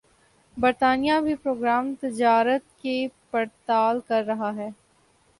برطانیہ بھِی پروگرام تجارت کی پڑتال کر رہا ہے